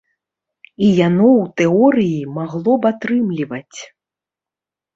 І яно ў тэорыі магло б атрымліваць.